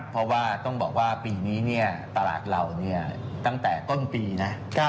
เพราะว่าต้องบอกว่าปีนี้ตลาดเราตั้งแต่ต้นปีนะ